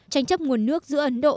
tranh chấp nguồn nước giữa ấn độ